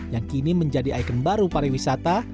yang kini menjadi ikon baru para wisata